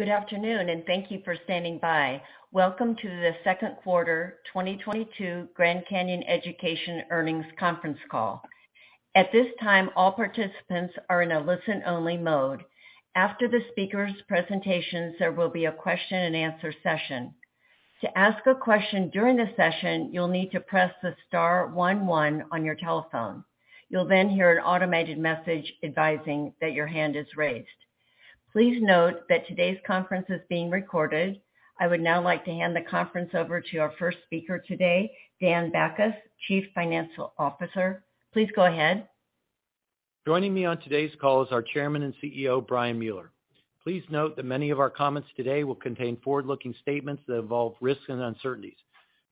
Good afternoon, and thank you for standing by. Welcome to the second quarter 2022 Grand Canyon Education earnings conference call. At this time, all participants are in a listen-only mode. After the speaker's presentations, there will be a question-and-answer session. To ask a question during the session, you'll need to press the star one one on your telephone. You'll then hear an automated message advising that your hand is raised. Please note that today's conference is being recorded. I would now like to hand the conference over to our first speaker today, Dan Bachus, Chief Financial Officer. Please go ahead. Joining me on today's call is our Chairman and CEO, Brian Mueller. Please note that many of our comments today will contain forward-looking statements that involve risks and uncertainties.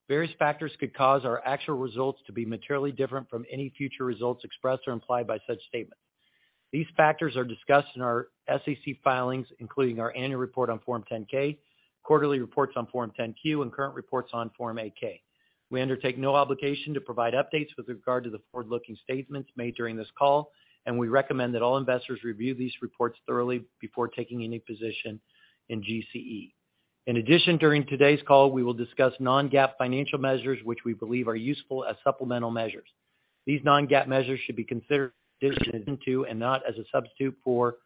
Various factors could cause our actual results to be materially different from any future results expressed or implied by such statements. These factors are discussed in our SEC filings, including our annual report on Form 10-K, quarterly reports on Form 10-Q, and current reports on Form 8-K. We undertake no obligation to provide updates with regard to the forward-looking statements made during this call, and we recommend that all investors review these reports thoroughly before taking any position in GCE. In addition, during today's call, we will discuss non-GAAP financial measures, which we believe are useful as supplemental measures. These non-GAAP measures should be considered in addition to and not as a substitute for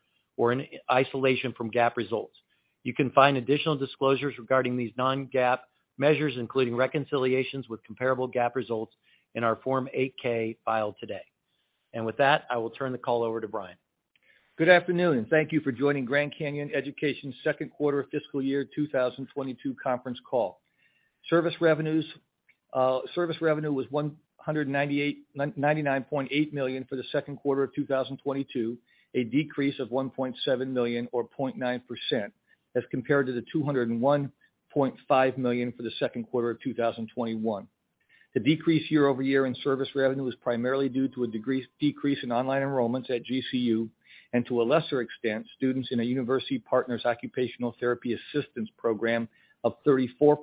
or in isolation from GAAP results. You can find additional disclosures regarding these non-GAAP measures, including reconciliations with comparable GAAP results in our Form 8-K filed today. With that, I will turn the call over to Brian. Good afternoon, and thank you for joining Grand Canyon Education second quarter fiscal year 2022 conference call. Service revenue was $199.8 million for the second quarter of 2022, a decrease of $1.7 million or 0.9% as compared to the $201.5 million for the second quarter of 2021. The decrease year-over-year in service revenue was primarily due to a decrease in online enrollments at GCU and to a lesser extent, students in a university partner's occupational therapy assistant program of 34%,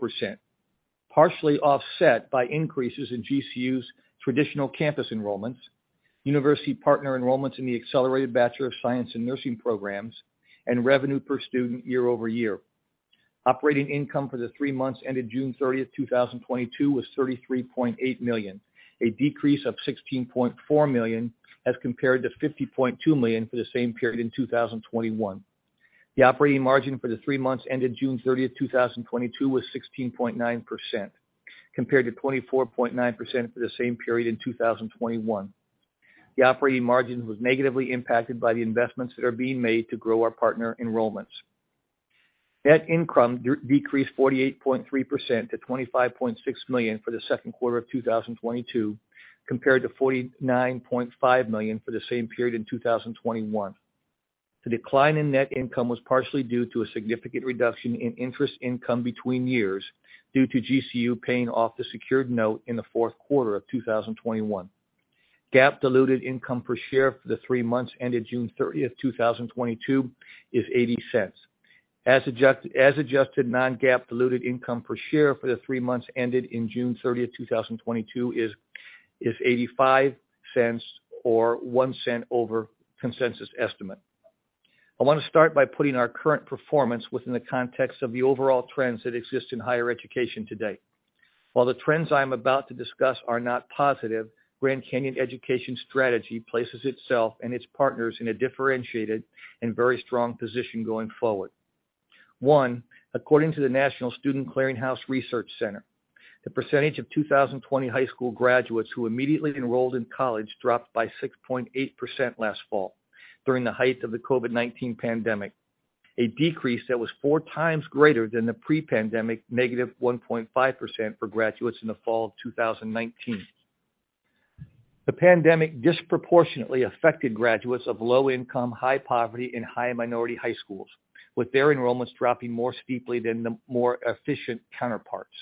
partially offset by increases in GCU's traditional campus enrollments, university partner enrollments in the accelerated Bachelor of Science in Nursing programs, and revenue per student year-over-year. Operating income for the three months ended June 30th, 2022 was $33.8 million, a decrease of $16.4 million as compared to $50.2 million for the same period in 2021. The operating margin for the three months ended June 30th, 2022 was 16.9%, compared to 24.9% for the same period in 2021. The operating margin was negatively impacted by the investments that are being made to grow our partner enrollments. Net income decreased 48.3% to $25.6 million for the second quarter of 2022, compared to $49.5 million for the same period in 2021. The decline in net income was partially due to a significant reduction in interest income between years due to GCU paying off the secured note in the fourth quarter of 2021. GAAP diluted income per share for the three months ended June 30th, 2022 is $0.80. As adjusted non-GAAP diluted income per share for the three months ended June 30th, 2022 is $0.85 or $0.01 over consensus estimate. I want to start by putting our current performance within the context of the overall trends that exist in higher education today. While the trends I'm about to discuss are not positive, Grand Canyon Education strategy places itself and its partners in a differentiated and very strong position going forward. One, according to the National Student Clearinghouse Research Center, the percentage of 2020 high school graduates who immediately enrolled in college dropped by 6.8% last fall during the height of the COVID-19 pandemic, a decrease that was four times greater than the pre-pandemic -1.5% for graduates in the fall of 2019. The pandemic disproportionately affected graduates of low income, high poverty and high minority high schools, with their enrollments dropping more steeply than the more efficient counterparts.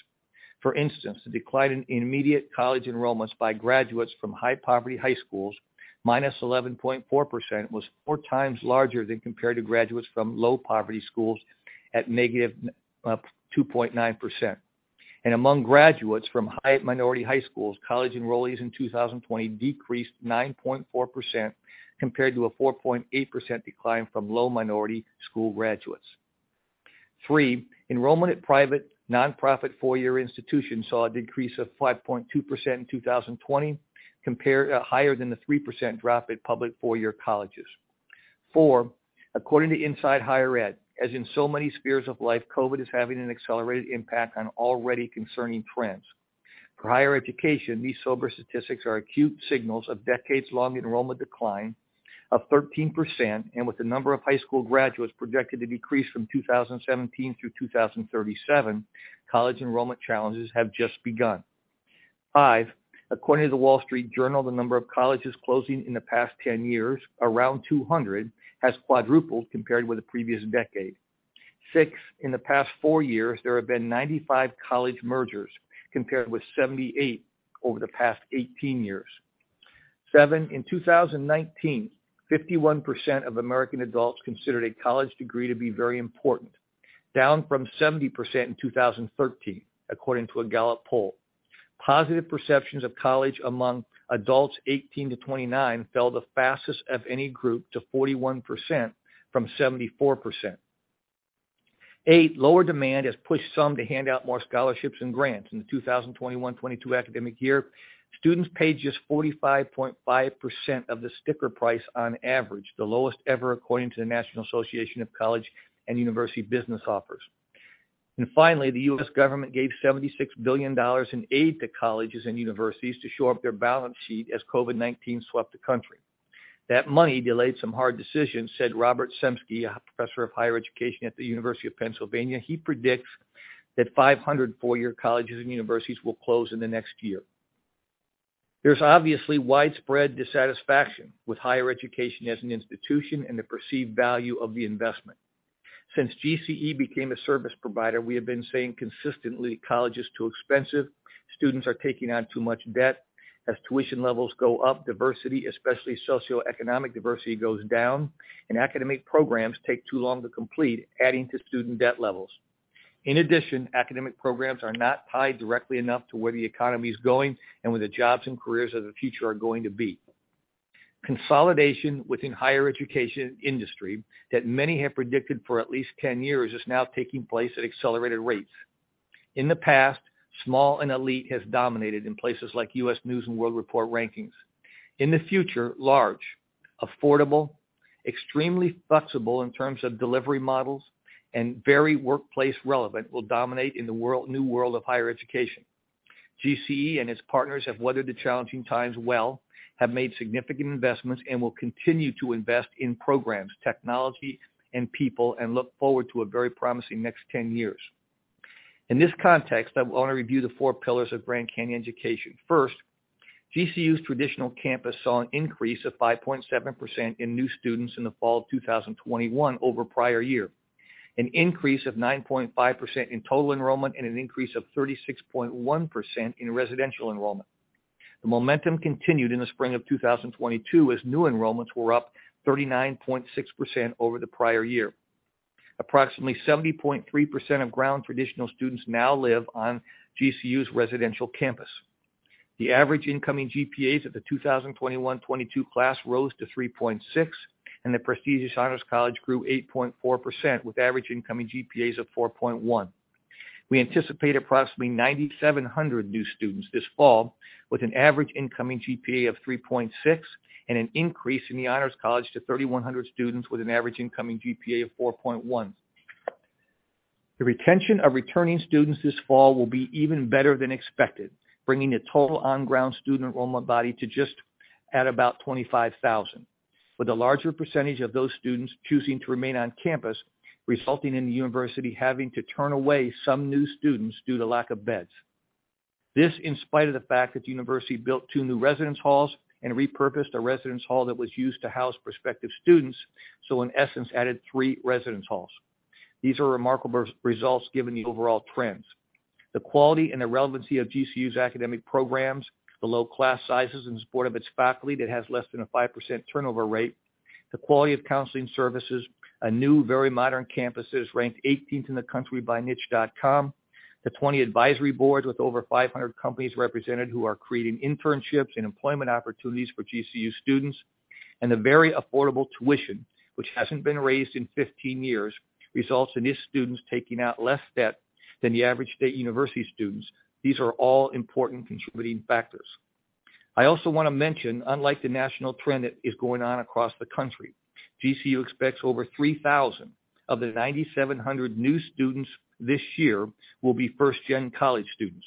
For instance, the decline in immediate college enrollments by graduates from high poverty high schools, -11.4%, was four times larger than compared to graduates from low poverty schools at -2.9%. Among graduates from high minority high schools, college enrollees in 2020 decreased 9.4% compared to a 4.8% decline from low minority school graduates. Three, enrollment at private nonprofit four-year institutions saw a decrease of 5.2% in 2020 higher than the 3% drop at public four-year colleges. Four, according to Inside Higher Ed, as in so many spheres of life, COVID is having an accelerated impact on already concerning trends. For higher education, these sober statistics are acute signals of decades-long enrollment decline of 13%, and with the number of high school graduates projected to decrease from 2017 through 2037, college enrollment challenges have just begun. Five, according to The Wall Street Journal, the number of colleges closing in the past 10 years, around 200, has quadrupled compared with the previous decade. Six, in the past four years, there have been 95 college mergers, compared with 78 over the past 18 years. Seven, in 2019, 51% of American adults considered a college degree to be very important, down from 70% in 2013, according to a Gallup poll. Positive perceptions of college among adults 18 to 29 fell the fastest of any group to 41% from 74%. Eight, lower demand has pushed some to hand out more scholarships and grants. In the 2021-2022 academic year, students paid just 45.5% of the sticker price on average, the lowest ever according to the National Association of College and University Business Officers. Finally, the U.S. government gave $76 billion in aid to colleges and universities to shore up their balance sheet as COVID-19 swept the country. That money delayed some hard decisions, said Robert Zemsky, a professor of higher education at the University of Pennsylvania. He predicts that 500 four-year colleges and universities will close in the next year. There's obviously widespread dissatisfaction with higher education as an institution and the perceived value of the investment. Since GCE became a service provider, we have been saying consistently, college is too expensive, students are taking on too much debt. As tuition levels go up, diversity, especially socioeconomic diversity, goes down, and academic programs take too long to complete, adding to student debt levels. In addition, academic programs are not tied directly enough to where the economy is going and where the jobs and careers of the future are going to be. Consolidation within higher education industry that many have predicted for at least 10 years is now taking place at accelerated rates. In the past, small and elite has dominated in places like U.S. News & World Report rankings. In the future, large, affordable, extremely flexible in terms of delivery models, and very workplace relevant will dominate in the world, new world of higher education. GCE and its partners have weathered the challenging times well, have made significant investments, and will continue to invest in programs, technology, and people, and look forward to a very promising next 10 years. In this context, I want to review the four pillars of Grand Canyon Education. First, GCU's traditional campus saw an increase of 5.7% in new students in the fall of 2021 over prior year, an increase of 9.5% in total enrollment, and an increase of 36.1% in residential enrollment. The momentum continued in the spring of 2022, as new enrollments were up 39.6% over the prior year. Approximately 70.3% of ground traditional students now live on GCU's residential campus. The average incoming GPAs of the 2021-2022 class rose to 3.6, and the prestigious Honors College grew 8.4%, with average incoming GPAs of 4.1. We anticipate approximately 9,700 new students this fall, with an average incoming GPA of 3.6 and an increase in the Honors College to 3,100 students with an average incoming GPA of 4.1. The retention of returning students this fall will be even better than expected, bringing the total on-ground student enrollment body to just at about 25,000, with a larger percentage of those students choosing to remain on campus, resulting in the university having to turn away some new students due to lack of beds. This, in spite of the fact that the university built two new residence halls and repurposed a residence hall that was used to house prospective students, so in essence, added three residence halls. These are remarkable results given the overall trends. The quality and the relevancy of GCU's academic programs, the low class sizes in support of its faculty that has less than a 5% turnover rate, the quality of counseling services, a new, very modern campus that's ranked 18th in the country by Niche.com, the 20 advisory boards with over 500 companies represented who are creating internships and employment opportunities for GCU students, and the very affordable tuition, which hasn't been raised in 15 years, results in these students taking out less debt than the average state university students. These are all important contributing factors. I also wanna mention, unlike the national trend that is going on across the country, GCU expects over 3,000 of the 9,700 new students this year will be first-gen college students.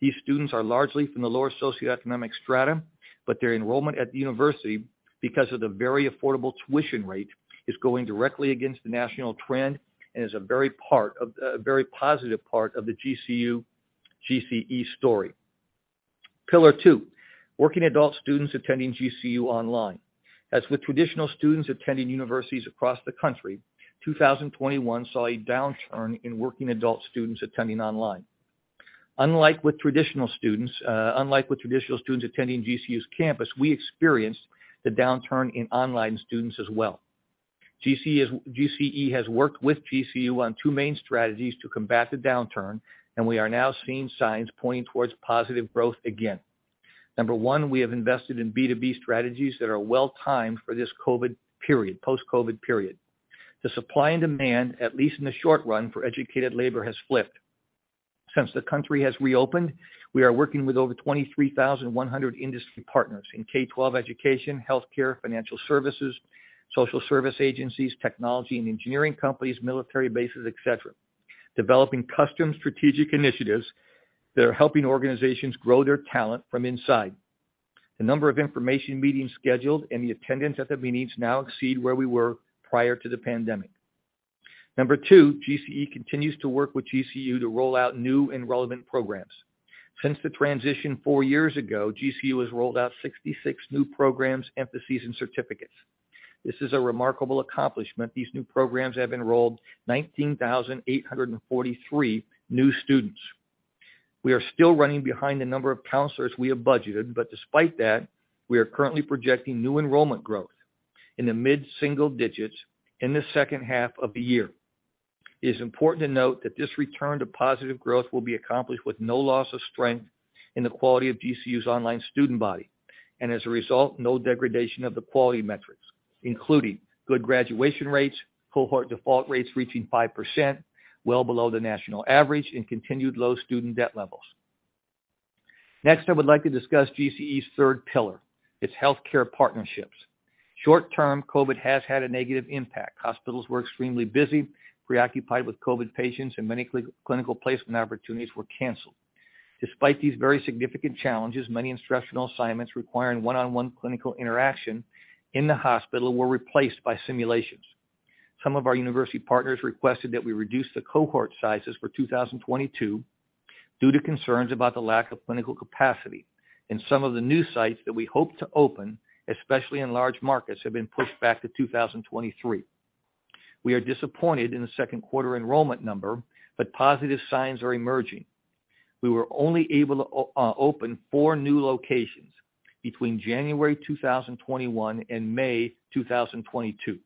These students are largely from the lower socioeconomic strata, but their enrollment at the university, because of the very affordable tuition rate, is going directly against the national trend and is a very positive part of the GCU, GCE story. Pillar two. Working adult students attending GCU online. As with traditional students attending universities across the country, 2021 saw a downturn in working adult students attending online. Unlike with traditional students attending GCU's campus, we experienced the downturn in online students as well. GCE has worked with GCU on two main strategies to combat the downturn, and we are now seeing signs pointing towards positive growth again. Number one, we have invested in B2B strategies that are well-timed for this COVID period, post-COVID period. The supply and demand, at least in the short run, for educated labor, has flipped. Since the country has reopened, we are working with over 23,100 industry partners in K-12 education, healthcare, financial services, social service agencies, technology and engineering companies, military bases, et cetera, developing custom strategic initiatives that are helping organizations grow their talent from inside. The number of information meetings scheduled and the attendance at the meetings now exceed where we were prior to the pandemic. Number two, GCE continues to work with GCU to roll out new and relevant programs. Since the transition four years ago, GCU has rolled out 66 new programs, emphases, and certificates. This is a remarkable accomplishment. These new programs have enrolled 19,843 new students. We are still running behind the number of counselors we have budgeted, but despite that, we are currently projecting new enrollment growth in the mid-single digits in the second half of the year. It is important to note that this return to positive growth will be accomplished with no loss of strength in the quality of GCU's online student body, and as a result, no degradation of the quality metrics, including good graduation rates, cohort default rates reaching 5%, well below the national average, and continued low student debt levels. Next, I would like to discuss GCE's third pillar, its healthcare partnerships. Short-term, COVID has had a negative impact. Hospitals were extremely busy, preoccupied with COVID patients, and many clinical placement opportunities were canceled. Despite these very significant challenges, many instructional assignments requiring one-on-one clinical interaction in the hospital were replaced by simulations. Some of our university partners requested that we reduce the cohort sizes for 2022 due to concerns about the lack of clinical capacity. Some of the new sites that we hope to open, especially in large markets, have been pushed back to 2023. We are disappointed in the second quarter enrollment number, but positive signs are emerging. We were only able to open four new locations between January 2021 and May 2022.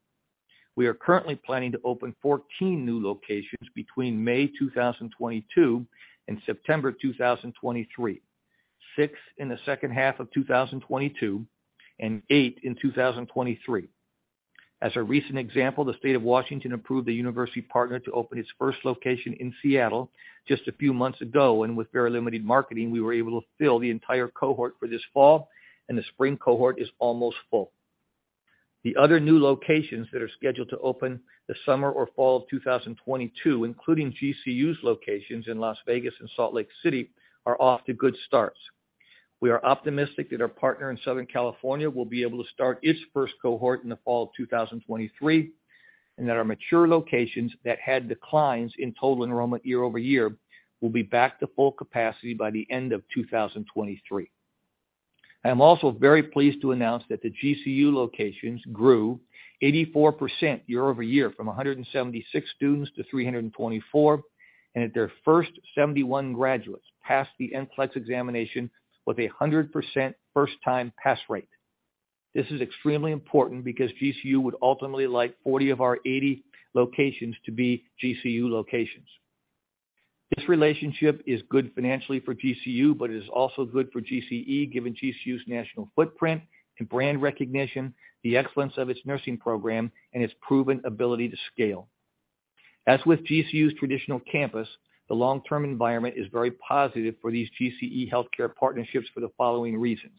We are currently planning to open 14 new locations between May 2022 and September 2023. Six in the second half of 2022 and eight in 2023. As a recent example, the State of Washington approved a university partner to open its first location in Seattle just a few months ago, and with very limited marketing, we were able to fill the entire cohort for this fall, and the spring cohort is almost full. The other new locations that are scheduled to open the summer or fall of 2022, including GCU's locations in Las Vegas and Salt Lake City, are off to good starts. We are optimistic that our partner in Southern California will be able to start its first cohort in the fall of 2023, and that our mature locations that had declines in total enrollment year over year will be back to full capacity by the end of 2023. I'm also very pleased to announce that the GCU locations grew 84% year-over-year from 176 students to 324, and that their first 71 graduates passed the NCLEX examination with a 100% first-time pass rate. This is extremely important because GCU would ultimately like 40 of our 80 locations to be GCU locations. This relationship is good financially for GCU, but it is also good for GCE, given GCU's national footprint and brand recognition, the excellence of its nursing program, and its proven ability to scale. As with GCU's traditional campus, the long-term environment is very positive for these GCE healthcare partnerships for the following reasons.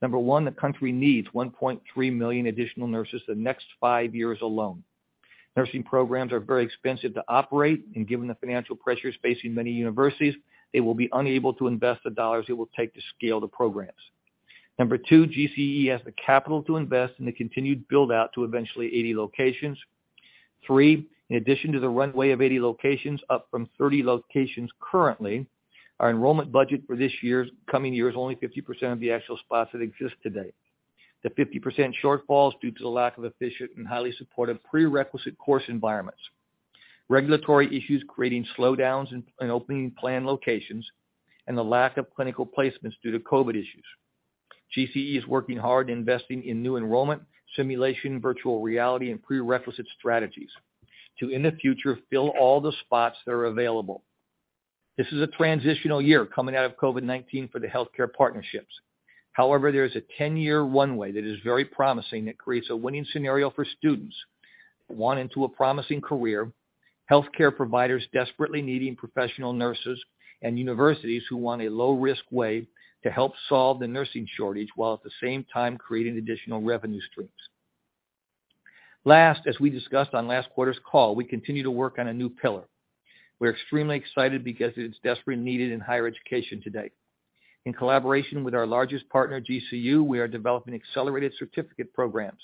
Number one, the country needs 1.3 million additional nurses the next five years alone. Nursing programs are very expensive to operate, and given the financial pressures facing many universities, they will be unable to invest the dollars it will take to scale the programs. Number two, GCE has the capital to invest in the continued build-out to eventually 80 locations. Three, in addition to the runway of 80 locations, up from 30 locations currently, our enrollment budget for this year's coming year is only 50% of the actual spots that exist today. The 50% shortfall is due to the lack of efficient and highly supportive prerequisite course environments, regulatory issues creating slowdowns in opening planned locations, and the lack of clinical placements due to COVID issues. GCE is working hard investing in new enrollment, simulation, virtual reality, and prerequisite strategies to, in the future, fill all the spots that are available. This is a transitional year coming out of COVID-19 for the healthcare partnerships. However, there is a 10-year runway that is very promising that creates a winning scenario for students, one into a promising career, healthcare providers desperately needing professional nurses, and universities who want a low-risk way to help solve the nursing shortage while at the same time creating additional revenue streams. Last, as we discussed on last quarter's call, we continue to work on a new pillar. We're extremely excited because it is desperately needed in higher education today. In collaboration with our largest partner, GCU, we are developing accelerated certificate programs,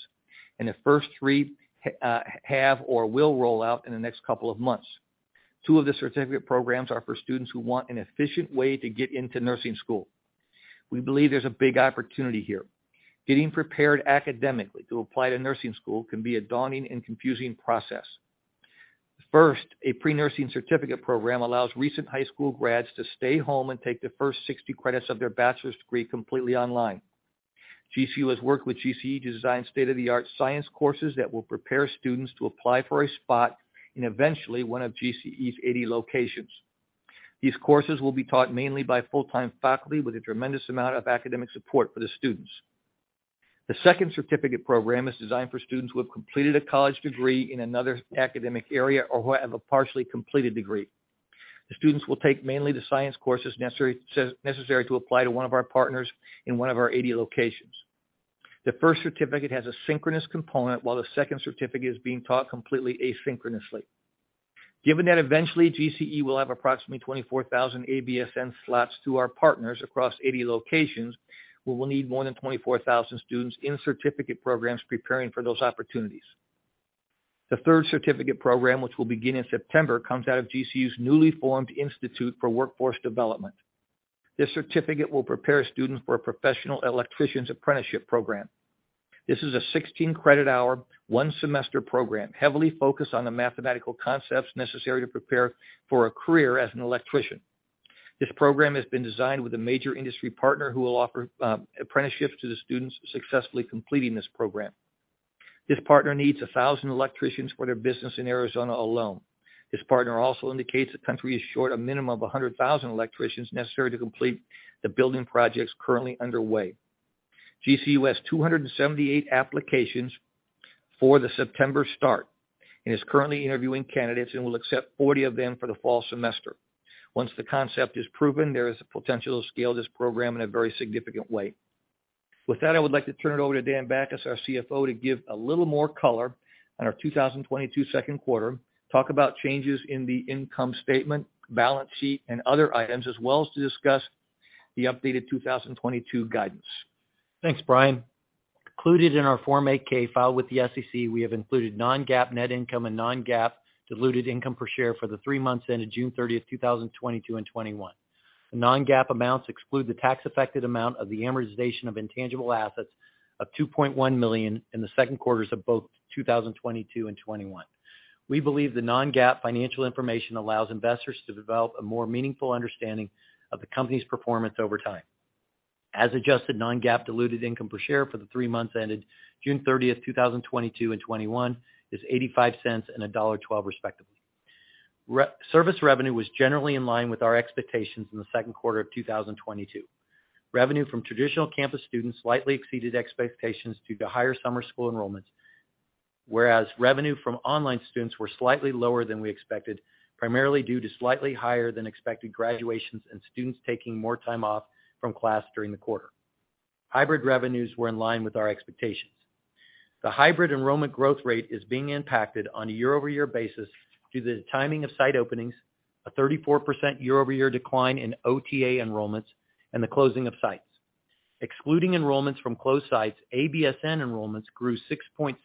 and the first three have or will roll out in the next couple of months. Two of the certificate programs are for students who want an efficient way to get into nursing school. We believe there's a big opportunity here. Getting prepared academically to apply to nursing school can be a daunting and confusing process. First, a pre-nursing certificate program allows recent high school grads to stay home and take the first 60 credits of their bachelor's degree completely online. GCU has worked with GCE to design state-of-the-art science courses that will prepare students to apply for a spot in eventually one of GCE's 80 locations. These courses will be taught mainly by full-time faculty with a tremendous amount of academic support for the students. The second certificate program is designed for students who have completed a college degree in another academic area or who have a partially completed degree. The students will take mainly the science courses necessary to apply to one of our partners in one of our 80 locations. The first certificate has a synchronous component, while the second certificate is being taught completely asynchronously. Given that eventually GCE will have approximately 24,000 ABSN slots through our partners across 80 locations, we will need more than 24,000 students in certificate programs preparing for those opportunities. The third certificate program, which will begin in September, comes out of GCU's newly formed Center for Workforce Development. This certificate will prepare students for a professional electrician's apprenticeship program. This is a 16 credit hour, one semester program, heavily focused on the mathematical concepts necessary to prepare for a career as an electrician. This program has been designed with a major industry partner who will offer apprenticeships to the students successfully completing this program. This partner needs 1,000 electricians for their business in Arizona alone. This partner also indicates the country is short a minimum of 100,000 electricians necessary to complete the building projects currently underway. GCU has 278 applications for the September start, and is currently interviewing candidates and will accept 40 of them for the fall semester. Once the concept is proven, there is a potential to scale this program in a very significant way. With that, I would like to turn it over to Dan Bachus, our CFO, to give a little more color on our 2022 second quarter, talk about changes in the income statement, balance sheet, and other items, as well as to discuss the updated 2022 guidance. Thanks, Brian. Included in our Form 8-K filed with the SEC, we have included non-GAAP net income and non-GAAP diluted income per share for the three months ended June 30th, 2022 and 2021. The non-GAAP amounts exclude the tax affected amount of the amortization of intangible assets of $2.1 million in the second quarters of both 2022 and 2021. We believe the non-GAAP financial information allows investors to develop a more meaningful understanding of the company's performance over time. As adjusted non-GAAP diluted income per share for the three months ended June 30th, 2022 and 2021 is $0.85 and $1.12 respectively. Service revenue was generally in line with our expectations in the second quarter of 2022. Revenue from traditional campus students slightly exceeded expectations due to higher summer school enrollments, whereas revenue from online students were slightly lower than we expected, primarily due to slightly higher than expected graduations and students taking more time off from class during the quarter. Hybrid revenues were in line with our expectations. The hybrid enrollment growth rate is being impacted on a year-over-year basis due to the timing of site openings, a 34% year-over-year decline in OTA enrollments, and the closing of sites. Excluding enrollments from closed sites, ABSN enrollments grew 6.6%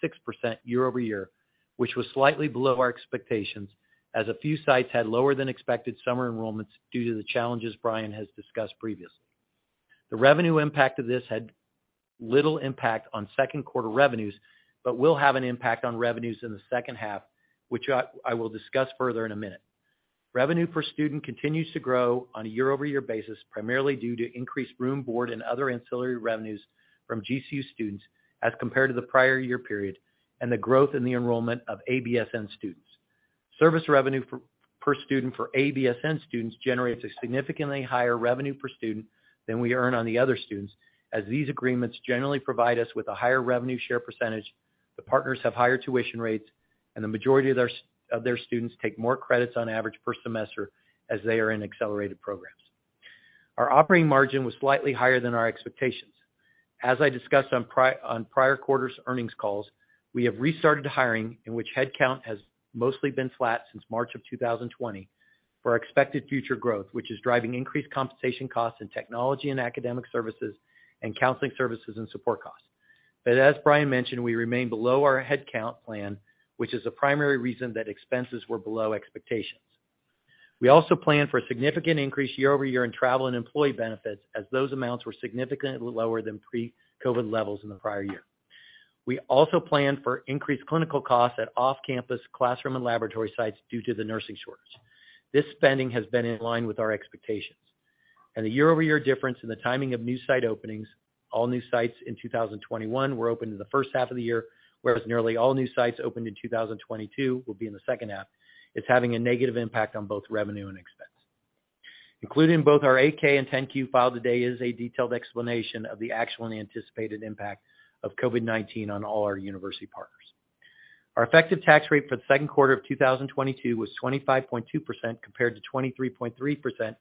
year-over-year, which was slightly below our expectations, as a few sites had lower than expected summer enrollments due to the challenges Brian has discussed previously. The revenue impact of this had little impact on second quarter revenues, but will have an impact on revenues in the second half, which I will discuss further in a minute. Revenue per student continues to grow on a year-over-year basis, primarily due to increased room, board, and other ancillary revenues from GCU students as compared to the prior year period, and the growth in the enrollment of ABSN students. Service revenue per student for ABSN students generates a significantly higher revenue per student than we earn on the other students, as these agreements generally provide us with a higher revenue share percentage, the partners have higher tuition rates, and the majority of their students take more credits on average per semester as they are in accelerated programs. Our operating margin was slightly higher than our expectations. As I discussed on prior quarters earnings calls, we have restarted hiring in which headcount has mostly been flat since March 2020 for our expected future growth, which is driving increased compensation costs in technology and academic services and counseling services and support costs. As Brian mentioned, we remain below our headcount plan, which is the primary reason that expenses were below expectations. We also plan for a significant increase year-over-year in travel and employee benefits, as those amounts were significantly lower than pre-COVID levels in the prior year. We also plan for increased clinical costs at off-campus classroom and laboratory sites due to the nursing shortage. This spending has been in line with our expectations. The year-over-year difference in the timing of new site openings, all new sites in 2021 were opened in the first half of the year, whereas nearly all new sites opened in 2022 will be in the second half, is having a negative impact on both revenue and expense. Including both our 8-K and 10-Q filed today is a detailed explanation of the actual and anticipated impact of COVID-19 on all our university partners. Our effective tax rate for the second quarter of 2022 was 25.2% compared to 23.3% in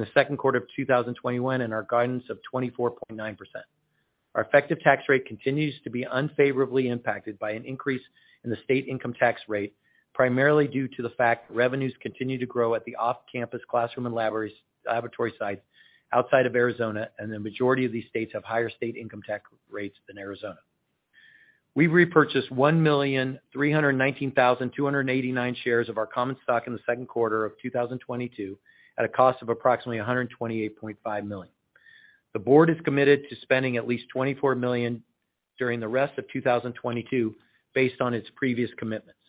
the second quarter of 2021 and our guidance of 24.9%. Our effective tax rate continues to be unfavorably impacted by an increase in the state income tax rate, primarily due to the fact revenues continue to grow at the off-campus classroom and laboratory sites outside of Arizona, and the majority of these states have higher state income tax rates than Arizona. We repurchased 1,319,289 shares of our common stock in the second quarter of 2022 at a cost of approximately $128.5 million. The board is committed to spending at least $24 million during the rest of 2022 based on its previous commitments.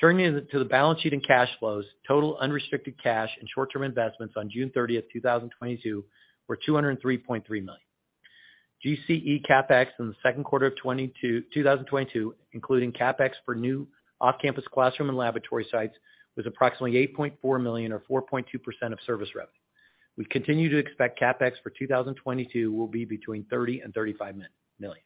Turning to the balance sheet and cash flows, total unrestricted cash and short-term investments on June 30th, 2022, were $203.3 million. GCE CapEx in the second quarter of 2022, including CapEx for new off-campus classroom and laboratory sites, was approximately $8.4 million or 4.2% of service revenue. We continue to expect CapEx for 2022 will be between $30 million and $35 million.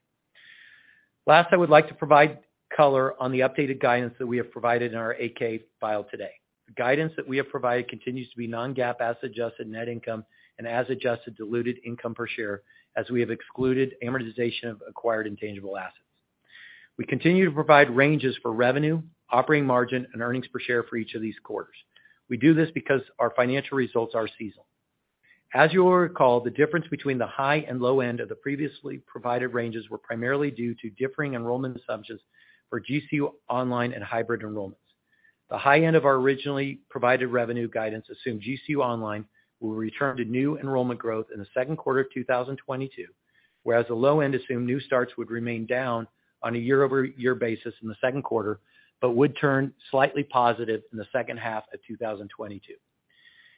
Last, I would like to provide color on the updated guidance that we have provided in our 8-K filed today. The guidance that we have provided continues to be non-GAAP as adjusted net income and as adjusted diluted income per share, as we have excluded amortization of acquired intangible assets. We continue to provide ranges for revenue, operating margin, and earnings per share for each of these quarters. We do this because our financial results are seasonal. As you will recall, the difference between the high and low end of the previously provided ranges were primarily due to differing enrollment assumptions for GCU online and hybrid enrollments. The high end of our originally provided revenue guidance assumed GCU online will return to new enrollment growth in the second quarter of 2022, whereas the low end assume new starts would remain down on a year-over-year basis in the second quarter, but would turn slightly positive in the second half of 2022.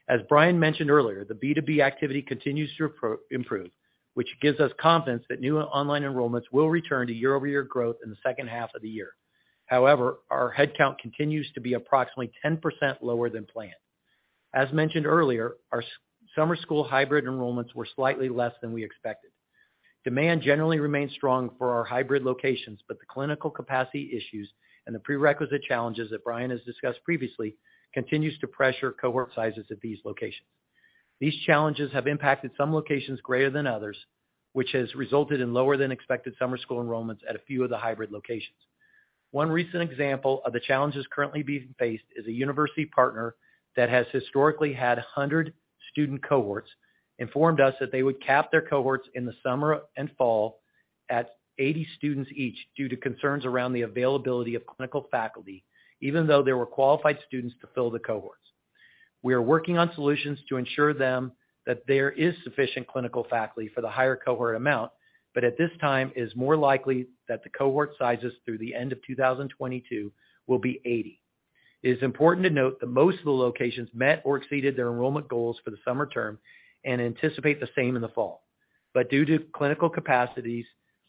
As Brian mentioned earlier, the B2B activity continues to improve, which gives us confidence that new online enrollments will return to year-over-year growth in the second half of the year. However, our head count continues to be approximately 10% lower than planned. As mentioned earlier, our summer school hybrid enrollments were slightly less than we expected. Demand generally remains strong for our hybrid locations, but the clinical capacity issues and the prerequisite challenges that Brian has discussed previously continues to pressure cohort sizes at these locations. These challenges have impacted some locations greater than others, which has resulted in lower than expected summer school enrollments at a few of the hybrid locations. One recent example of the challenges currently being faced is a university partner that has historically had 100-student cohorts, informed us that they would cap their cohorts in the summer and fall at 80 students each due to concerns around the availability of clinical faculty, even though there were qualified students to fill the cohorts. We are working on solutions to ensure them that there is sufficient clinical faculty for the higher cohort amount, but at this time it is more likely that the cohort sizes through the end of 2022 will be 80. It is important to note that most of the locations met or exceeded their enrollment goals for the summer term and anticipate the same in the fall. Due to clinical capacities,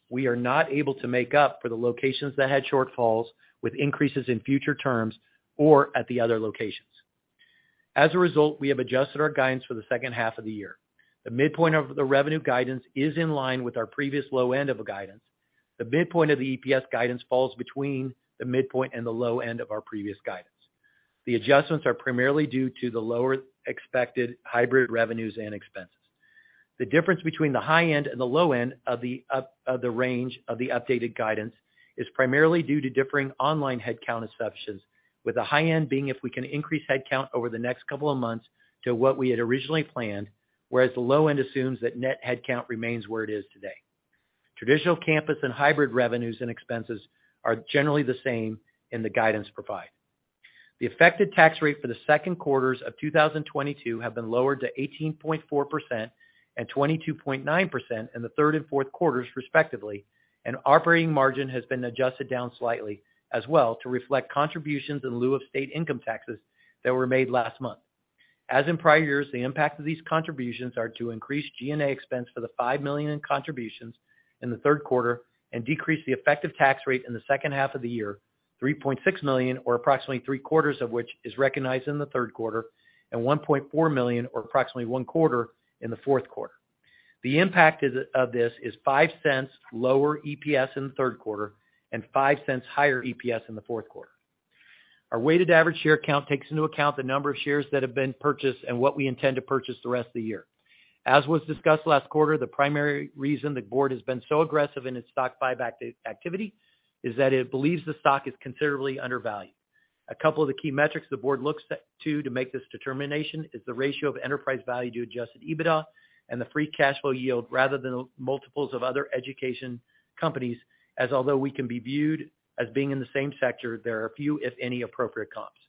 we are not able to make up for the locations that had shortfalls with increases in future terms or at the other locations. As a result, we have adjusted our guidance for the second half of the year. The midpoint of the revenue guidance is in line with our previous low end of the guidance. The midpoint of the EPS guidance falls between the midpoint and the low end of our previous guidance. The adjustments are primarily due to the lower expected hybrid revenues and expenses. The difference between the high end and the low end of the range of the updated guidance is primarily due to differing online headcount assumptions, with the high end being if we can increase headcount over the next couple of months to what we had originally planned, whereas the low end assumes that net headcount remains where it is today. Traditional campus and hybrid revenues and expenses are generally the same in the guidance provided. The effective tax rate for the second quarter of 2022 has been lowered to 18.4% and 22.9% in the third and fourth quarters, respectively, and operating margin has been adjusted down slightly as well to reflect contributions in lieu of state income taxes that were made last month. As in prior years, the impact of these contributions are to increase G&A expense for the $5 million in contributions in the third quarter and decrease the effective tax rate in the second half of the year, $3.6 million, or approximately three quarters of which is recognized in the third quarter, and $1.4 million, or approximately one quarter, in the fourth quarter. The impact of this is $0.05 lower EPS in the third quarter and $0.05 higher EPS in the fourth quarter. Our weighted average share count takes into account the number of shares that have been purchased and what we intend to purchase the rest of the year. As was discussed last quarter, the primary reason the board has been so aggressive in its stock buyback activity is that it believes the stock is considerably undervalued. A couple of the key metrics the board looks at to make this determination is the ratio of enterprise value to adjusted EBITDA and the free cash flow yield rather than multiples of other education companies as although we can be viewed as being in the same sector, there are a few, if any, appropriate comps.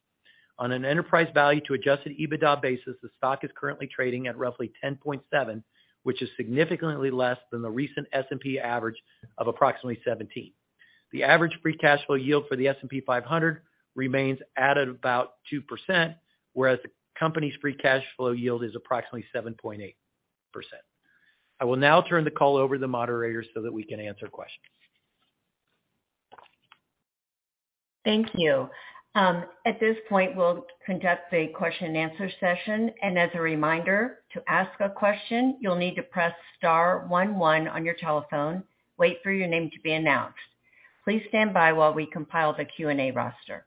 On an enterprise value to adjusted EBITDA basis, the stock is currently trading at roughly 10.7%, which is significantly less than the recent S&P average of approximately 17%. The average free cash flow yield for the S&P 500 remains at about 2%, whereas the company's free cash flow yield is approximately 7.8%. I will now turn the call over to the moderator so that we can answer questions. Thank you. At this point, we'll conduct a question and answer session. As a reminder, to ask a question, you'll need to press star one one on your telephone, wait for your name to be announced. Please stand by while we compile the Q&A roster.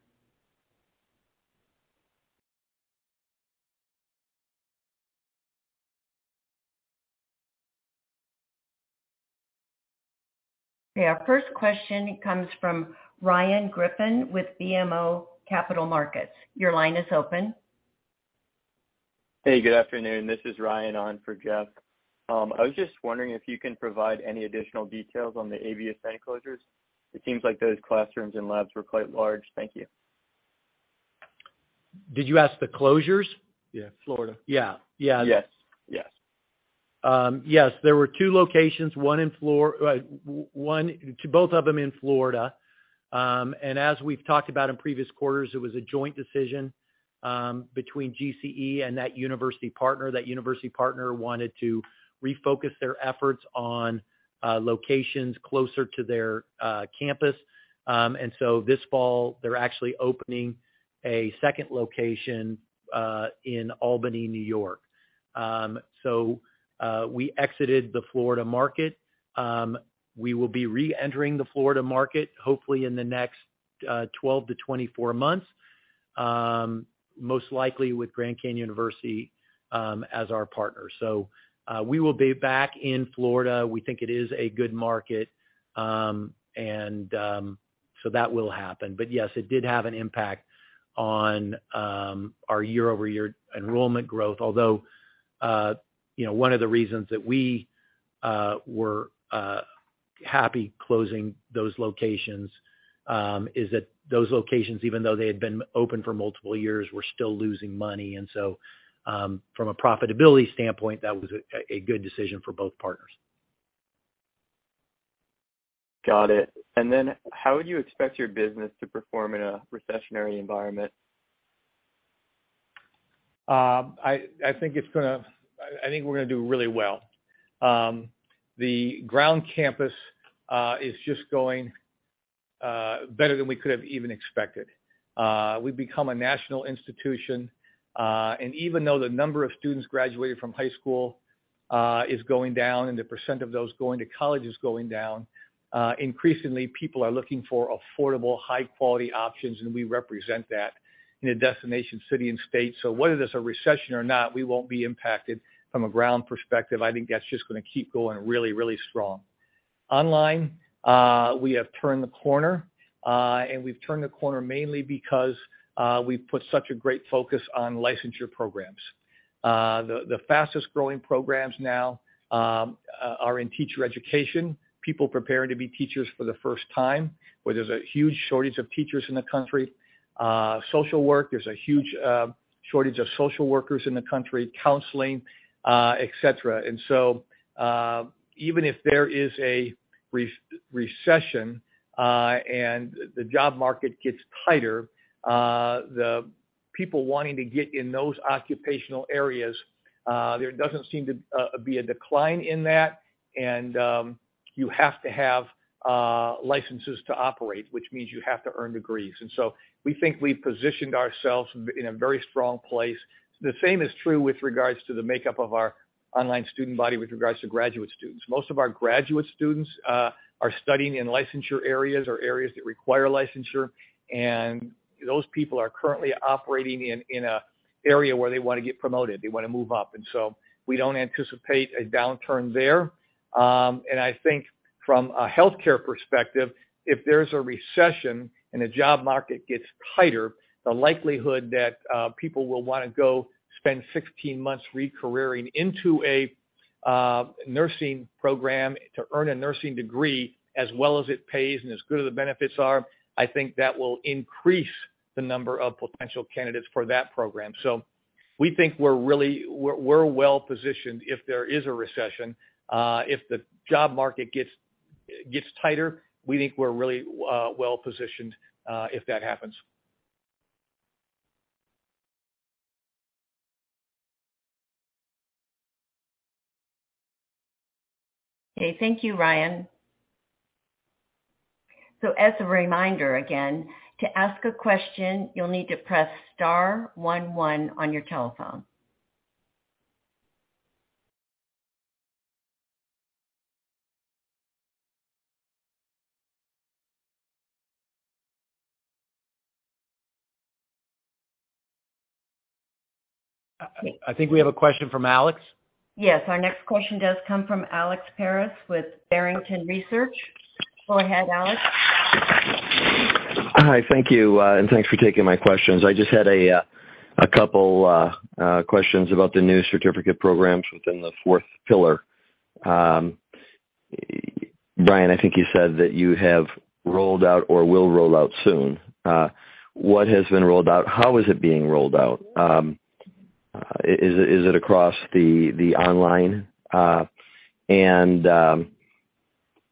Okay. Our first question comes from Ryan Griffin with BMO Capital Markets. Your line is open. Hey, good afternoon. This is Ryan on for Jeff. I was just wondering if you can provide any additional details on the Orbis site closures. It seems like those classrooms and labs were quite large. Thank you. Did you ask the closures? Yeah, Florida. Yeah. Yeah. Yes. Yes. Yes, there were two locations, both of them in Florida. As we've talked about in previous quarters, it was a joint decision between GCE and that university partner. That university partner wanted to refocus their efforts on locations closer to their campus. This fall, they're actually opening a second location in Albany, New York. We exited the Florida market. We will be reentering the Florida market hopefully in the next 12-24 months, most likely with Grand Canyon University as our partner. We will be back in Florida. We think it is a good market. That will happen. Yes, it did have an impact on our year-over-year enrollment growth. Although, you know, one of the reasons that we were happy closing those locations, even though they had been open for multiple years, were still losing money. From a profitability standpoint, that was a good decision for both partners. Got it. How would you expect your business to perform in a recessionary environment? I think we're gonna do really well. The ground campus is just going better than we could have even expected. We've become a national institution. Even though the number of students graduating from high school is going down, and the percent of those going to college is going down, increasingly people are looking for affordable, high-quality options, and we represent that in a destination city and state. Whether there's a recession or not, we won't be impacted from a ground perspective. I think that's just gonna keep going really, really strong. Online, we have turned the corner mainly because we've put such a great focus on licensure programs. The fastest-growing programs now are in teacher education, people preparing to be teachers for the first time, where there's a huge shortage of teachers in the country. Social work, there's a huge shortage of social workers in the country, counseling, etc. Even if there is a recession and the job market gets tighter, the people wanting to get in those occupational areas, there doesn't seem to be a decline in that. You have to have licenses to operate, which means you have to earn degrees. We think we've positioned ourselves in a very strong place. The same is true with regards to the makeup of our online student body with regards to graduate students. Most of our graduate students are studying in licensure areas or areas that require licensure, and those people are currently operating in an area where they wanna get promoted, they wanna move up. We don't anticipate a downturn there. I think from a healthcare perspective, if there's a recession and the job market gets tighter, the likelihood that people will wanna go spend 16 months re-careering into a nursing program to earn a nursing degree, as well as it pays and as good as the benefits are, I think that will increase the number of potential candidates for that program. We think we're well-positioned if there is a recession. If the job market gets tighter, we think we're really well-positioned if that happens. Okay. Thank you, Ryan. As a reminder again, to ask a question, you'll need to press star one one on your telephone. I think we have a question from Alex. Yes. Our next question does come from Alex Paris with Barrington Research. Go ahead, Alex. Hi. Thank you, and thanks for taking my questions. I just had a couple questions about the new certificate programs within the fourth pillar. Ryan, I think you said that you have rolled out or will roll out soon. What has been rolled out? How is it being rolled out? Is it across the online and,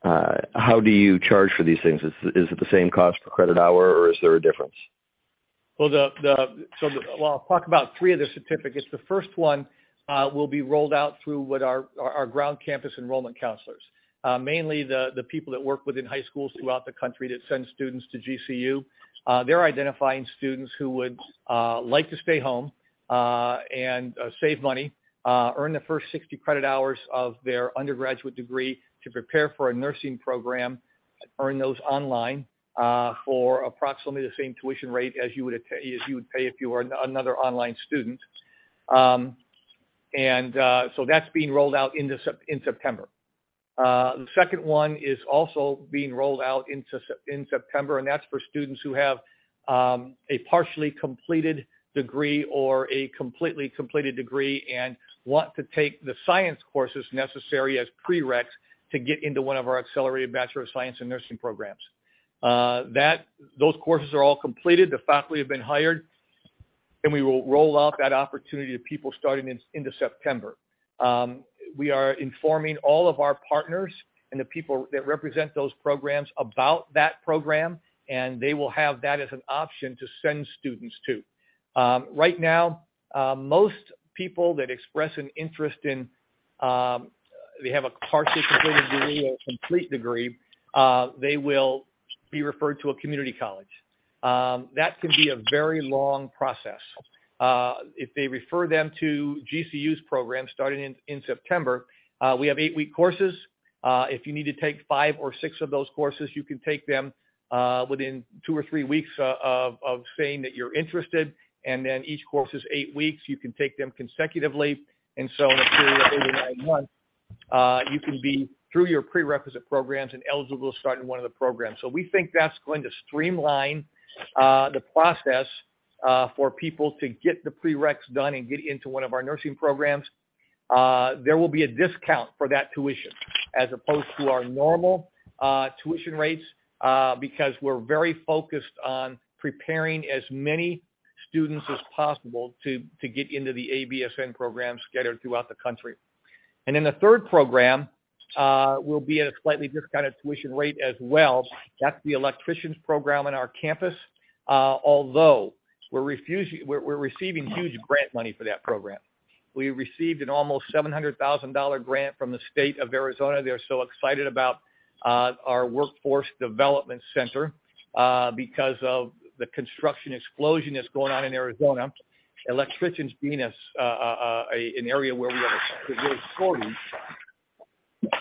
how do you charge for these things? Is it the same cost per credit hour, or is there a difference? Well, I'll talk about three of the certificates. The first one will be rolled out through with our ground campus enrollment counselors, mainly the people that work within high schools throughout the country that send students to GCU. They're identifying students who would like to stay home and save money, earn the first 60 credit hours of their undergraduate degree to prepare for a nursing program, earn those online, for approximately the same tuition rate as you would pay if you were another online student. That's being rolled out in September. The second one is also being rolled out in September, and that's for students who have a partially completed degree or a completely completed degree and want to take the science courses necessary as prereqs to get into one of our accelerated Bachelor of Science in Nursing programs. Those courses are all completed. The faculty have been hired, and we will roll out that opportunity to people starting in September. We are informing all of our partners and the people that represent those programs about that program, and they will have that as an option to send students to. Right now, most people that express an interest in they have a partially completed degree or a complete degree, they will be referred to a community college. That can be a very long process. If they refer them to GCU's program starting in September, we have eight-week courses. If you need to take five or six of those courses, you can take them within two or three weeks of saying that you're interested. Each course is eight weeks. You can take them consecutively. In a period of eight or nine months, you can be through your prerequisite programs and eligible to start in one of the programs. We think that's going to streamline the process for people to get the prereqs done and get into one of our nursing programs. There will be a discount for that tuition as opposed to our normal tuition rates because we're very focused on preparing as many students as possible to get into the ABSN program scattered throughout the country. The third program will be at a slightly discounted tuition rate as well. That's the electricians program in our campus, although we're receiving huge grant money for that program. We received an almost $700,000 grant from the State of Arizona. They are so excited about our workforce development center because of the construction explosion that's going on in Arizona. Electricians being an area where we have a huge shortage.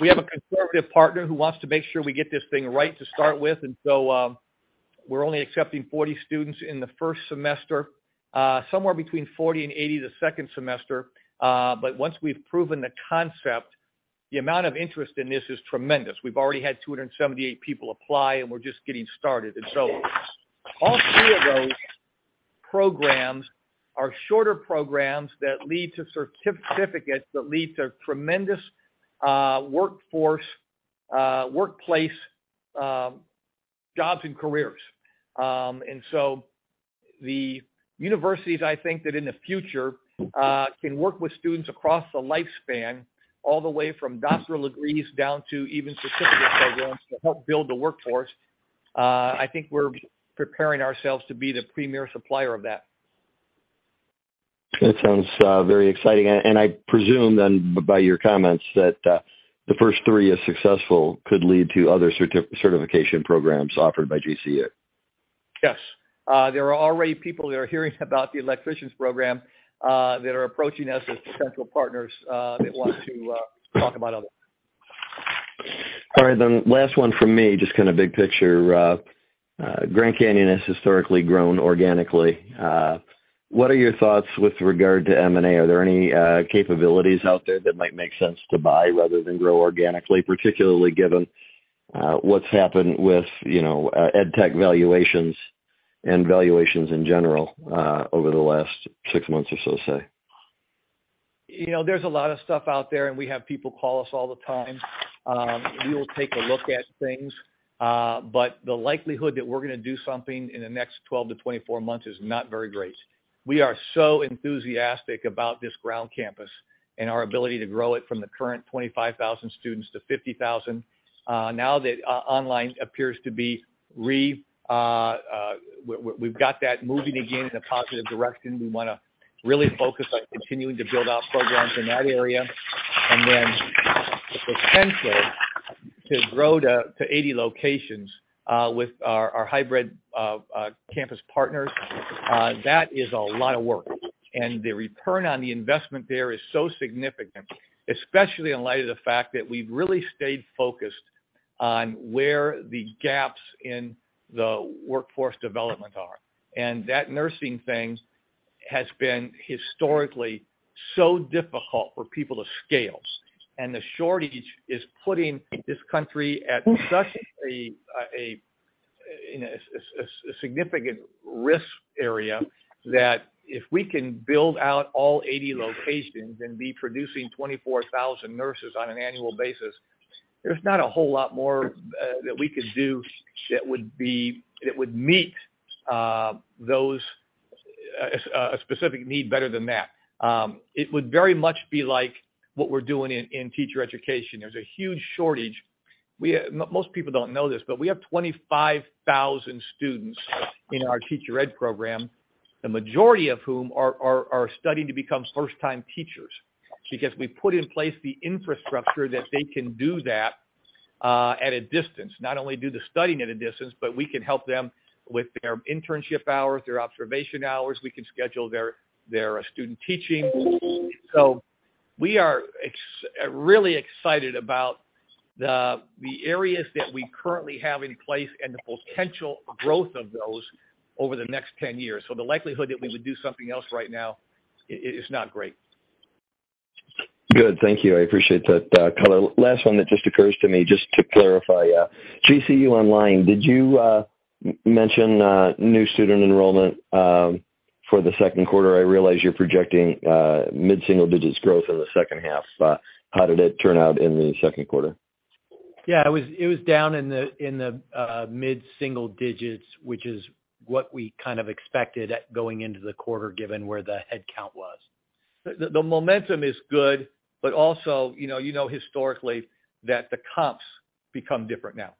We have a conservative partner who wants to make sure we get this thing right to start with, and so we're only accepting 40 students in the first semester, somewhere between 40 and 80 the second semester. Once we've proven the concept, the amount of interest in this is tremendous. We've already had 278 people apply, and we're just getting started. All three of those programs are shorter programs that lead to certificates that lead to tremendous workforce workplace jobs and careers. The universities, I think that in the future, can work with students across the lifespan, all the way from doctoral degrees down to even certificate programs to help build the workforce. I think we're preparing ourselves to be the premier supplier of that. That sounds very exciting. I presume then by your comments that the first three is successful could lead to other certification programs offered by GCU. Yes. There are already people that are hearing about the electricians program, that are approaching us as potential partners, that want to talk about others. All right, last one from me, just kind of big picture. Grand Canyon has historically grown organically. What are your thoughts with regard to M&A? Are there any capabilities out there that might make sense to buy rather than grow organically, particularly given what's happened with, you know, edtech valuations and valuations in general over the last six months or so, say? You know, there's a lot of stuff out there, and we have people call us all the time. We will take a look at things, but the likelihood that we're gonna do something in the next 12-24 months is not very great. We are so enthusiastic about this ground campus and our ability to grow it from the current 25,000 students to 50,000. Now that online appears to be, we've got that moving again in a positive direction. We wanna really focus on continuing to build out programs in that area. Then the potential to grow to 80 locations with our hybrid campus partners, that is a lot of work. The return on the investment there is so significant, especially in light of the fact that we've really stayed focused on where the gaps in the workforce development are. That nursing thing has been historically so difficult for people to scale, and the shortage is putting this country at such a significant risk area that if we can build out all 80 locations and be producing 24,000 nurses on an annual basis, there's not a whole lot more that we could do that would meet a specific need better than that. It would very much be like what we're doing in teacher education. There's a huge shortage. Most people don't know this, but we have 25,000 students in our teacher ed program, the majority of whom are studying to become first-time teachers. Because we put in place the infrastructure that they can do that at a distance. Not only do the studying at a distance, but we can help them with their internship hours, their observation hours, we can schedule their student teaching. We are really excited about the areas that we currently have in place and the potential growth of those over the next 10 years. The likelihood that we would do something else right now is not great. Good. Thank you. I appreciate that, color. Last one that just occurs to me, just to clarify, GCU Online, did you mention new student enrollment for the second quarter? I realize you're projecting mid-single digits growth in the second half, but how did it turn out in the second quarter? Yeah, it was down in the mid-single digits, which is what we kind of expected heading into the quarter, given where the headcount was. The momentum is good, but also, you know historically that the comps become different now.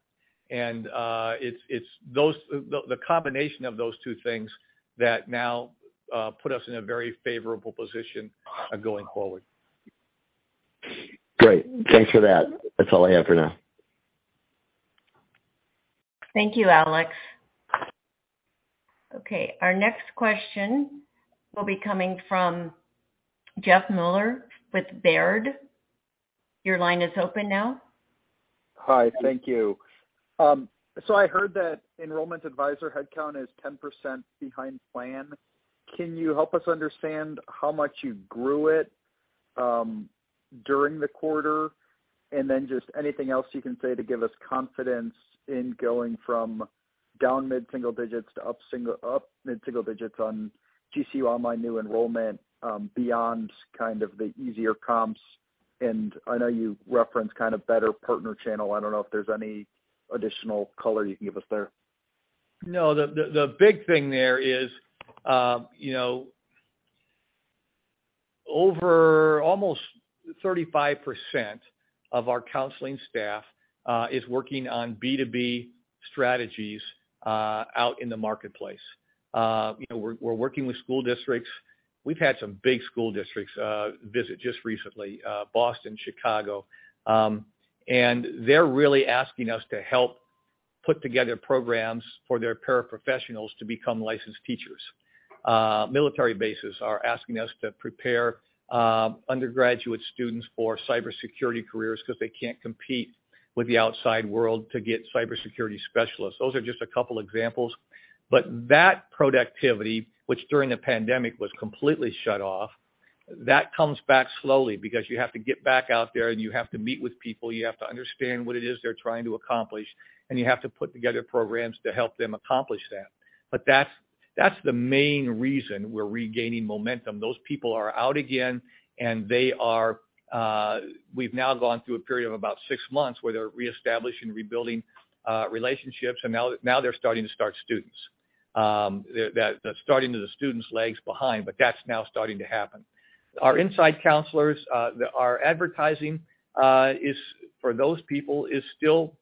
It's those, the combination of those two things that now put us in a very favorable position going forward. Great. Thanks for that. That's all I have for now. Thank you, Alex. Okay, our next question will be coming from Jeff Meuler with Baird. Your line is open now. Hi. Thank you. I heard that enrollment advisor headcount is 10% behind plan. Can you help us understand how much you grew it? During the quarter, and then just anything else you can say to give us confidence in going from down mid-single digits% to up mid-single digits% on GCU online new enrollment, beyond kind of the easier comps. I know you referenced kind of better partner channel. I don't know if there's any additional color you can give us there. No. The big thing there is, you know, over almost 35% of our counseling staff is working on B2B strategies out in the marketplace. You know, we're working with school districts. We've had some big school districts visit just recently, Boston, Chicago. They're really asking us to help put together programs for their paraprofessionals to become licensed teachers. Military bases are asking us to prepare undergraduate students for cybersecurity careers 'cause they can't compete with the outside world to get cybersecurity specialists. Those are just a couple examples. That productivity, which during the pandemic was completely shut off, that comes back slowly because you have to get back out there, and you have to meet with people, you have to understand what it is they're trying to accomplish, and you have to put together programs to help them accomplish that. That's the main reason we're regaining momentum. Those people are out again, and they are. We've now gone through a period of about six months where they're reestablishing, rebuilding, relationships, and now they're starting students. They're starting to enroll the students lagging behind, but that's now starting to happen. Our inside counselors, our advertising, for those people, is still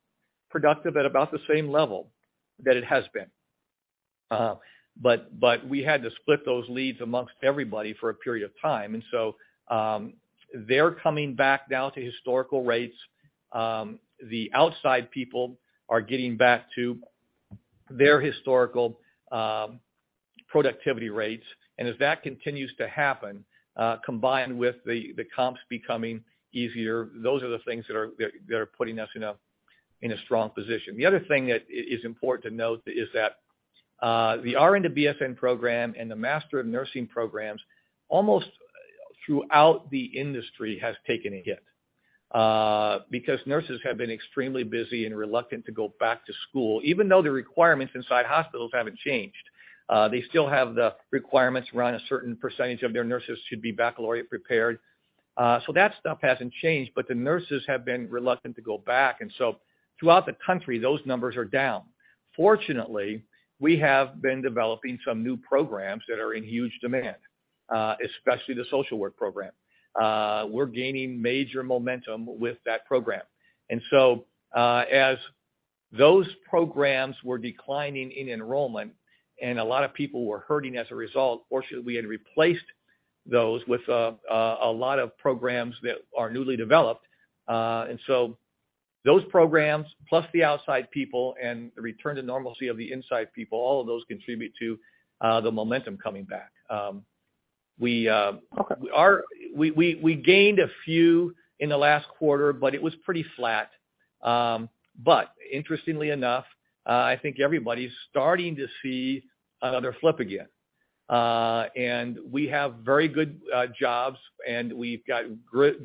productive at about the same level that it has been. We had to split those leads among everybody for a period of time. They're coming back now to historical rates. The outside people are getting back to their historical productivity rates. As that continues to happen, combined with the comps becoming easier, those are the things that are putting us in a strong position. The other thing that is important to note is that the RN to BSN program and the Master of Nursing programs, almost throughout the industry, has taken a hit because nurses have been extremely busy and reluctant to go back to school, even though the requirements inside hospitals haven't changed. They still have the requirements around a certain percentage of their nurses should be baccalaureate prepared. So that stuff hasn't changed, but the nurses have been reluctant to go back. Throughout the country, those numbers are down. Fortunately, we have been developing some new programs that are in huge demand, especially the social work program. We're gaining major momentum with that program. As those programs were declining in enrollment and a lot of people were hurting as a result, fortunately, we had replaced those with a lot of programs that are newly developed. Those programs, plus the outside people and the return to normalcy of the inside people, all of those contribute to the momentum coming back. Okay. We gained a few in the last quarter, but it was pretty flat. Interestingly enough, I think everybody's starting to see another flip again. We have very good jobs, and we've got good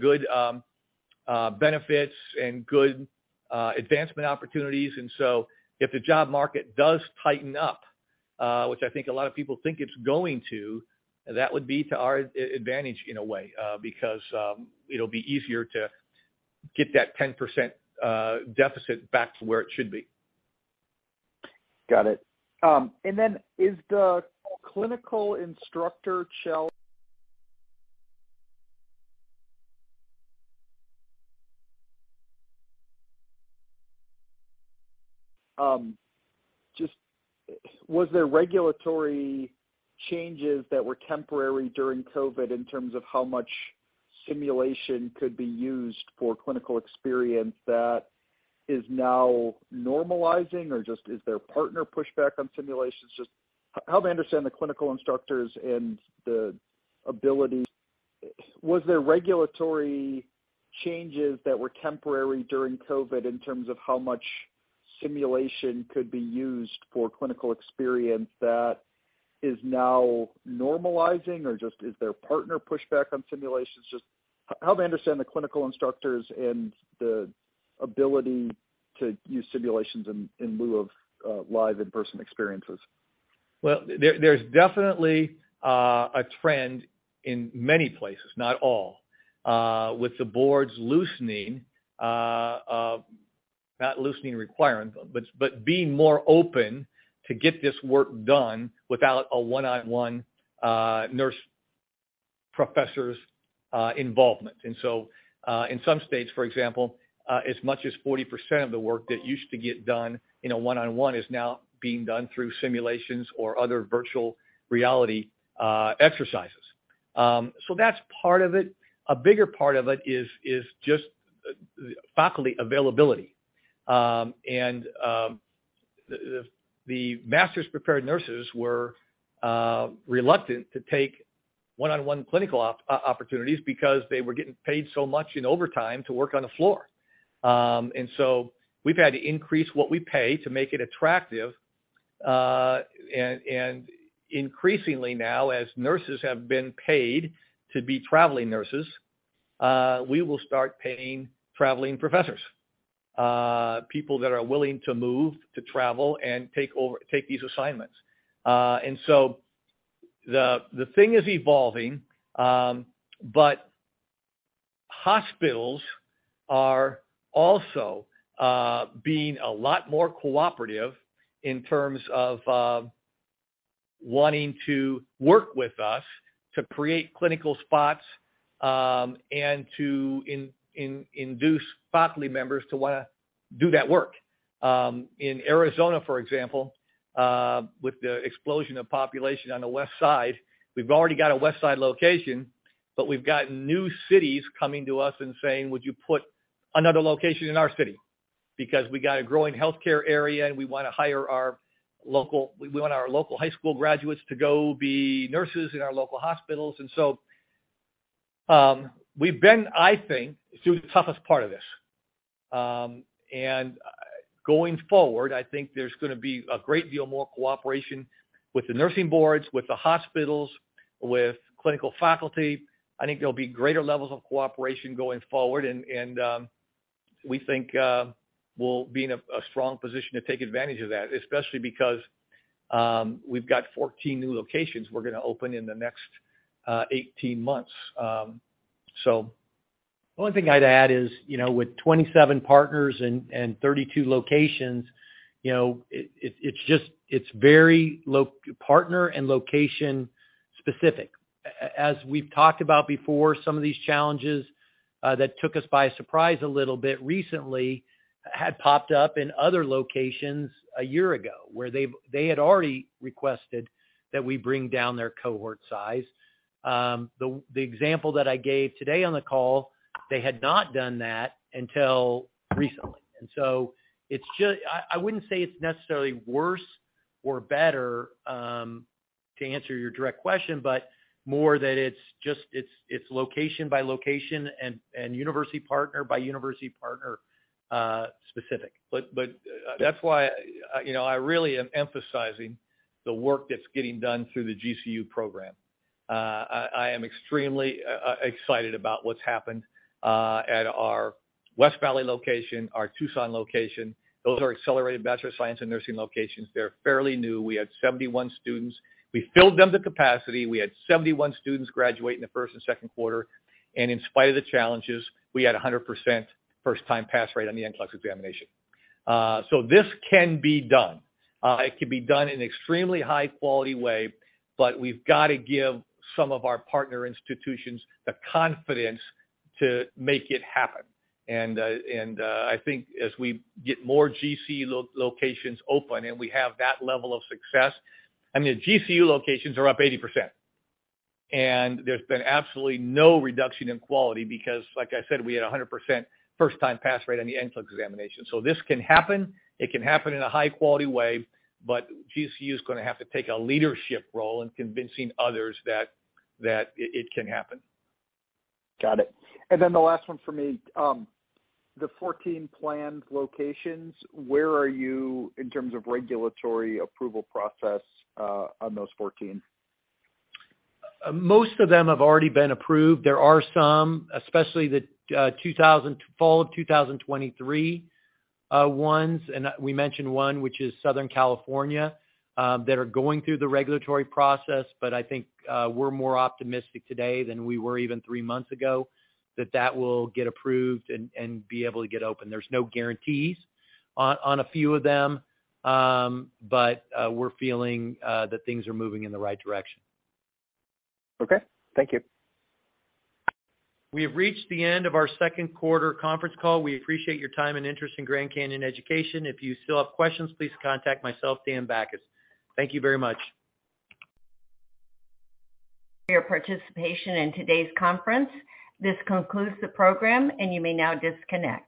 benefits and good advancement opportunities. If the job market does tighten up, which I think a lot of people think it's going to, that would be to our advantage in a way, because it'll be easier to get that 10% deficit back to where it should be. Got it. Was there regulatory changes that were temporary during COVID in terms of how much simulation could be used for clinical experience that is now normalizing, or is there partner pushback on simulations? Just how do I understand the clinical instructors and the ability to use simulations in lieu of live in-person experiences? Well, there's definitely a trend in many places, not all, with the boards not loosening requirements, but being more open to get this work done without a one-on-one nurse professor's involvement. In some states, for example, as much as 40% of the work that used to get done in a one-on-one is now being done through simulations or other virtual reality exercises. So that's part of it. A bigger part of it is just faculty availability. The master's prepared nurses were reluctant to take one-on-one clinical opportunities because they were getting paid so much in overtime to work on the floor. We've had to increase what we pay to make it attractive. Increasingly now, as nurses have been paid to be traveling nurses, we will start paying traveling professors, people that are willing to move to travel and take these assignments. The thing is evolving, but hospitals are also being a lot more cooperative in terms of wanting to work with us to create clinical spots, and to induce faculty members to wanna do that work. In Arizona, for example, with the explosion of population on the west side, we've already got a west side location, but we've gotten new cities coming to us and saying, "Would you put another location in our city? Because we got a growing healthcare area, and we wanna hire our local high school graduates to go be nurses in our local hospitals. We've been, I think, through the toughest part of this. Going forward, I think there's gonna be a great deal more cooperation with the nursing boards, with the hospitals, with clinical faculty. I think there'll be greater levels of cooperation going forward. We think we'll be in a strong position to take advantage of that, especially because we've got 14 new locations we're gonna open in the next 18 months. The only thing I'd add is, you know, with 27 partners and 32 locations, you know, it's just very partner and location specific. As we've talked about before, some of these challenges that took us by surprise a little bit recently had popped up in other locations a year ago, where they had already requested that we bring down their cohort size. The example that I gave today on the call, they had not done that until recently. I wouldn't say it's necessarily worse or better to answer your direct question, but more that it's just, it's location by location and university partner by university partner specific. That's why, you know, I really am emphasizing the work that's getting done through the GCU program. I am extremely excited about what's happened at our West Valley location, our Tucson location. Those are Accelerated Bachelor of Science in Nursing locations. They're fairly new. We had 71 students. We filled them to capacity. We had 71 students graduate in the first and second quarter. In spite of the challenges, we had a 100% first time pass rate on the NCLEX examination. This can be done. It can be done in extremely high quality way, but we've got to give some of our partner institutions the confidence to make it happen. I think as we get more GCU locations open and we have that level of success. I mean, the GCU locations are up 80%. There's been absolutely no reduction in quality because, like I said, we had a 100% first time pass rate on the NCLEX examination. This can happen. It can happen in a high quality way, but GCU is gonna have to take a leadership role in convincing others that it can happen. Got it. The last one for me. The 14 planned locations, where are you in terms of regulatory approval process on those 14? Most of them have already been approved. There are some, especially the fall of 2023 ones, and we mentioned one which is Southern California that are going through the regulatory process. I think we're more optimistic today than we were even three months ago that that will get approved and be able to get open. There's no guarantees on a few of them, but we're feeling that things are moving in the right direction. Okay. Thank you. We have reached the end of our second quarter conference call. We appreciate your time and interest in Grand Canyon Education. If you still have questions, please contact myself, Dan Bachus. Thank you very much. Your participation in today's conference. This concludes the program, and you may now disconnect.